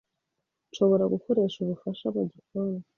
Nshobora gukoresha ubufasha mugikoni.